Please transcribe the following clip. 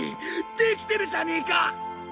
できてるじゃねえか！